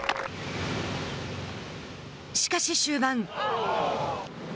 しかし終盤。